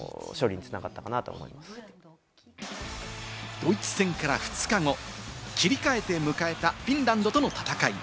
ドイツ戦から２日後、切り替えて迎えたフィンランドとの戦い。